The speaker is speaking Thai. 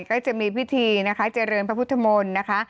ก็จะมีพิธีนะคะเจริญพระพุทธมนต์นะคะ